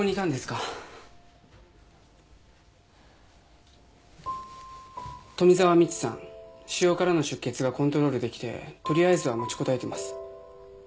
腫瘍からの出血がコントロールできて取りあえずは持ちこたえてます。